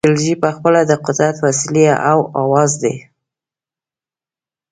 ایدیالوژۍ پخپله د قدرت وسیلې او اوزار دي.